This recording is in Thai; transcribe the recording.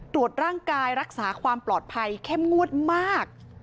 ตรวจร่างกายรักษาความปลอดภัยเข้มงวดมาก